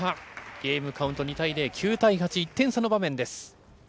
ゲームカウント２対０、９対８、１点差の場面です。